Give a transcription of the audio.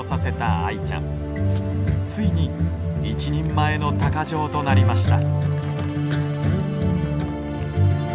ついに一人前の鷹匠となりました。